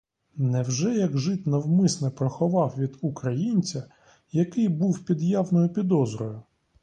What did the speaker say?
Невже як жид навмисне приховав від українця, який був під явною підозрою?